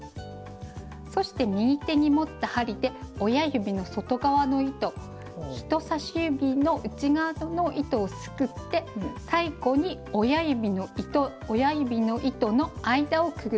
そして右手に持った針で親指の外側の糸人さし指の内側の糸をすくって最後に親指の糸の間をくぐらせます。